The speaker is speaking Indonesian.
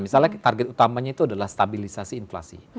misalnya target utamanya itu adalah stabilisasi inflasi